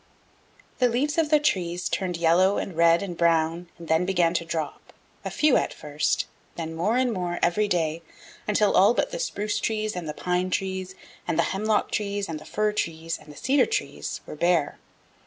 The leaves of the trees turned yellow and red and brown and then began to drop, a few at first, then more and more every day until all but the spruce trees and the pine trees and the hemlock trees and the fir trees and the cedar trees were bare.